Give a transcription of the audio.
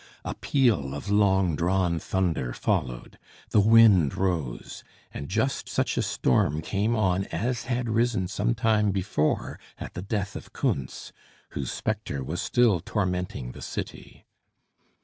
A peal of long drawn thunder followed; the wind rose; and just such a storm came on as had risen some time before at the death of Kuntz, whose spectre was still tormenting the city.